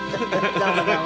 どうもどうも。